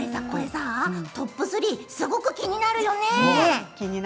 これさ、トップ３すごく気になるよね。